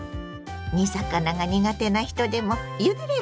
煮魚が苦手な人でもゆでれば失敗なし！